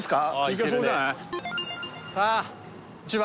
行けそうじゃない？